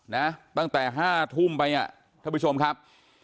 นะตั้งแต่ห้าทุ่มไปอ่ะท่านผู้ชมครับ